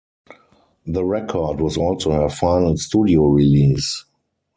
The record was also her final studio release.